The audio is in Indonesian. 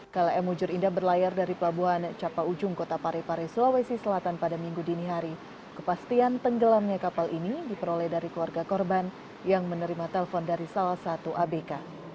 klm ujur indah berlayar dari pelabuhan capa ujung kota parepare sulawesi selatan pada minggu dini hari kepastian tenggelamnya kapal ini diperoleh dari keluarga korban yang menerima telpon dari salah satu abk